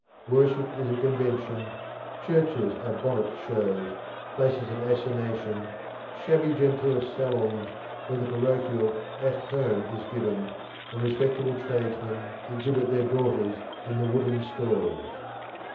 Worship is a convention, churches are bonnet shows, places of assignation, shabby genteel salons where the parochial "at home" is given, and respectable tradesmen exhibit their daughters in the wooden stalls.